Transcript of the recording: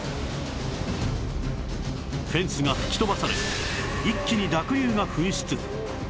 フェンスが吹き飛ばされ一気に濁流が噴出